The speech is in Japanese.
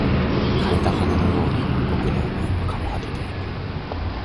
枯れた花のように僕の想いも枯れ果ててゆく